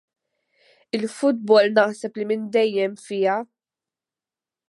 Il-futbol naħseb li kien minn dejjem fija.